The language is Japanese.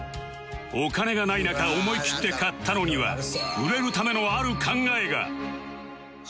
お金がない中思い切って買ったのには売れるためのある考えが